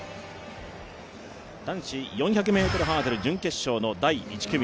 男子４００ｍハードル準決勝の第１組。